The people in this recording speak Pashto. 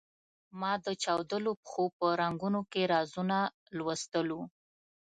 ما د چاودلو پښو په رنګونو کې رازونه لوستلو.